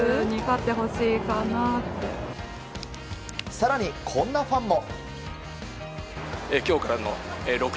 更に、こんなファンも。